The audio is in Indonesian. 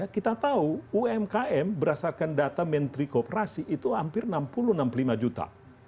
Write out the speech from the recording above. kita tahu umkm berdasarkan data menteri kooperasi itu hampir enam puluh enam puluh lima juta